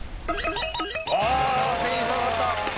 ああ全員刺さった！